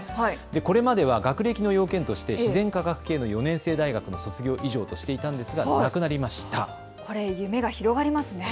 これまでは学歴の要件として自然科学系の４年制大学の卒業以上としていましたがなくなりました。